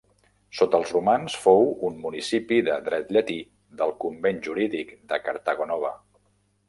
Sota els romans fou un municipi de dret llatí del convent jurídic de Cartago Nova.